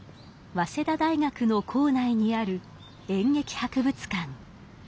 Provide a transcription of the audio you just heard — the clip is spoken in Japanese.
早稲田大学の構内にある演劇博物館。